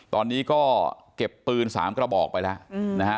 ตอนนี้ก็เก็บปืน๓กระบอกไปแล้วนะฮะ